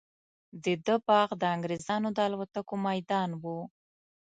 د ده باغ د انګریزانو د الوتکو میدان وو.